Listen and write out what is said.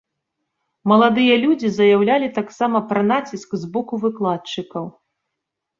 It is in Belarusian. Маладыя людзі заяўлялі таксама пра націск з боку выкладчыкаў.